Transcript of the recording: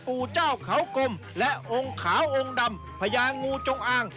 ปู่เจ้าเขากลมและองค์ขาวองค์ดำพญางูจงอาง